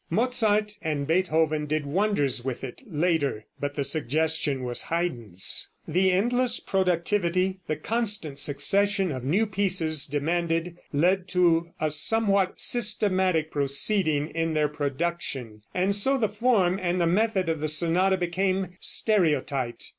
Mozart and Beethoven did wonders with it later, but the suggestion was Haydn's. The endless productivity, the constant succession of new pieces demanded, led to a somewhat systematic proceeding in their production, and so the form and the method of the sonata became stereotyped.